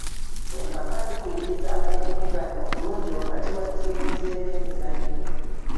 Empaka zikubiriza okuvuganya okulungi wakati wa ttiimu z'ebyemizannyo.